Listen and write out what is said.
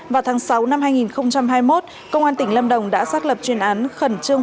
vào tháng sáu năm hai nghìn hai mươi một công an tỉnh lâm đồng đã xác lập chuyên án khẩn trương